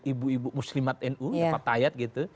ibu ibu muslimat nu pak tayat gitu